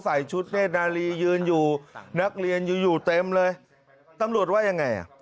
ใส่ชุดเวทนาลียืนอยู่นักเรียนอยู่อยู่เต็มเลยตำรวจว่ายังไงอ่ะ